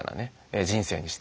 人生にしていく。